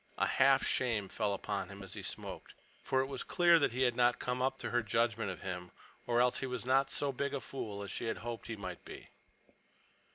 A half shame fell upon him as he smoked. For it was clear he had not come up to her judgment of him, or else he was not so big a fool as she had hoped he might be.